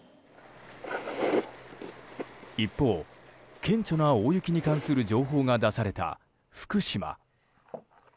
一方、顕著な大雪に関する情報が出された福島。